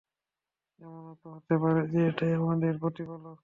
এমনও তো হতে পারে যে, এটাই আমাদের প্রতিপালক!